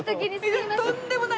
いえとんでもないです。